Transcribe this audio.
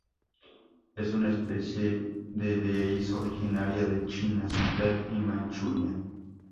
Es una especie de de erizo originaria de China central y Manchuria.